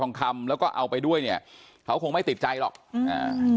ทองคำแล้วก็เอาไปด้วยเนี้ยเขาคงไม่ติดใจหรอกอืมอ่า